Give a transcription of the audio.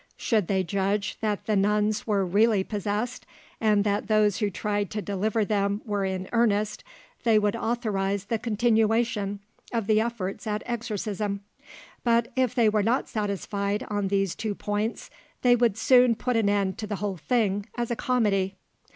Should they judge that the nuns were really possessed, and that those who tried to deliver them were in earnest, they would authorise the continuation of the efforts at exorcism; but if they were not satisfied on these two points, they would soon put an end to the whole thing as a comedy.